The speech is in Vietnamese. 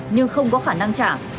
nhưng không có khả năng trả